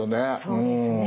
そうですね。